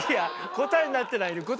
答えになってない。